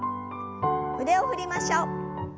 腕を振りましょう。